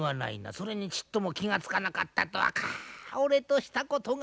それにちっとも気が付かなかったとはか俺としたことが